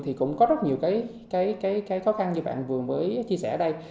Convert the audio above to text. thì cũng có rất nhiều cái khó khăn như bạn vừa mới chia sẻ ở đây